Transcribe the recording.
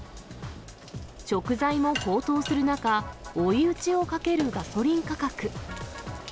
食材も高騰する中、追い打ちをかけるガソリン価格。